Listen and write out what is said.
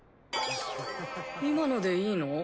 今のでいいの？